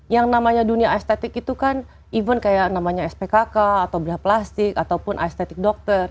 yang namanya dunia estetik itu kan even kayak namanya spkk atau bedah plastik ataupun estetik dokter